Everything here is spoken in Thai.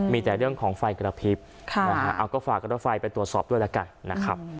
มีแต่เรื่องของไฟกระพริบเอาก็ฝากรถไฟไปตรวจสอบด้วยแล้วกันนะครับ